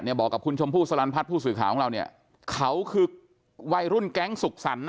บอกกับคุณชมพู่สลันพัฒน์ผู้สื่อข่าวของเราเนี่ยเขาคือวัยรุ่นแก๊งสุขสรรค์นะ